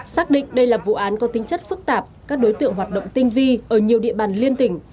xác định đây là vụ án có tính chất phức tạp các đối tượng hoạt động tinh vi ở nhiều địa bàn liên tỉnh